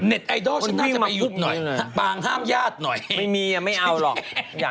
น้องแพนเค้กบอกว่าเคลียร์แล้วเคลียร์อีกนะคะ